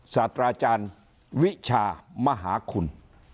ศาสตราจารย์วิชามหาคุณ